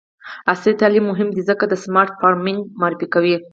عصري تعلیم مهم دی ځکه چې د سمارټ فارمینګ معرفي کوي.